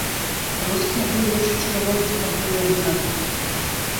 Рускі, агледзеўшы чырвонец, прабуе яго на зуб.